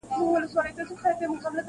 پاتا د ترانو ده غلبلې دي چي راځي-